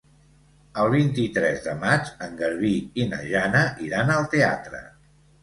El vint-i-tres de maig en Garbí i na Jana iran al teatre.